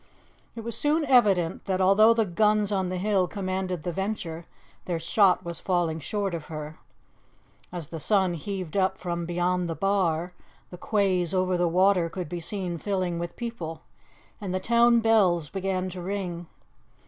It was soon evident that, though the guns on the hill commanded the Venture, their shot was falling short of her. As the sun heaved up from beyond the bar, the quays over the water could be seen filling with people, and the town bells began to ring.